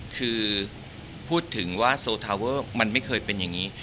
คือพูดถึงว่าโซทาเวอร์มันไม่เคยเป็นอย่างนี้